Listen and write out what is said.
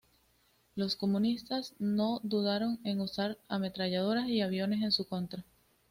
Los comunistas no dudaron en usar ametralladoras y aviones en su contra.